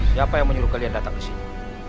siapa yang menyuruh kalian datang kesini